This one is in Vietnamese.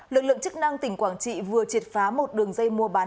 lực lượng chức năng tỉnh quảng trị vừa triệt phá một đường dây mua bán